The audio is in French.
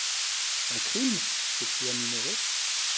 Un crime?... s’écria Minoret.